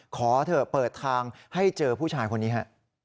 ขอเถอะเปิดทางให้เจอผู้ชายคนนี้ฮะ